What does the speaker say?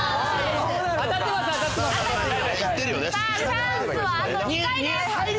チャンスはあと２回です。